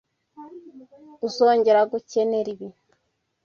Uzongera gukenera ibi.